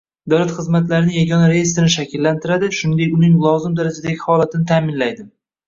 Davlat xizmatlarining yagona reestrini shakllantiradi, shuningdek, uning lozim darajadagi holatini ta’minlaydi.